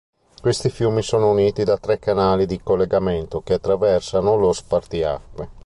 Questi fiumi sono uniti da tre canali di collegamento che attraversano lo spartiacque.